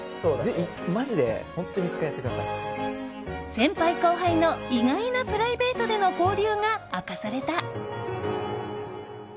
先輩・後輩の意外なプライベートでの交流が明かされた。